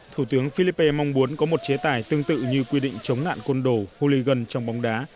thủ tướng philippe mong muốn có một chế tài tương tự như quy định chống nạn côn đồ hooligan trong bóng đá